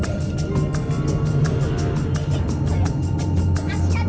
udah pergi yuk